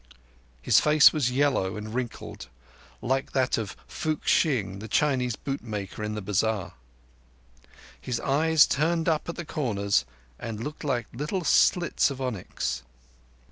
His face was yellow and wrinkled, like that of Fook Shing, the Chinese bootmaker in the bazar. His eyes turned up at the corners and looked like little slits of onyx.